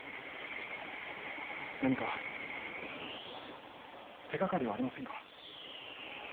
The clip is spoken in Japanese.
何か手掛かりはありませんか？